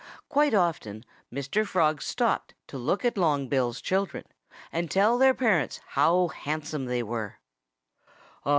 Quite often Mr. Frog stopped to look at Long Bill's children and tell their parents how handsome they were.